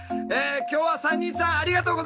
今日は３人さんありがとうございました。